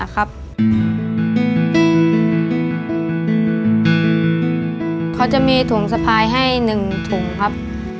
เขาจะมีถุงสะพายให้๑ถุงครับ